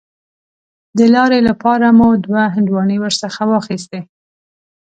د لارې لپاره مو دوه هندواڼې ورڅخه واخیستې.